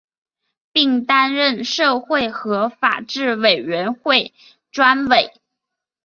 并担任社会和法制委员会专委。